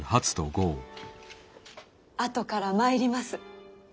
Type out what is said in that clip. あとから参ります。